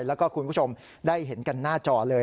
แล้วก็คุณผู้ชมได้เห็นกันหน้าจอเลย